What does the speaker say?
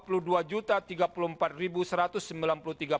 dua puluh dua tiga puluh empat rupiah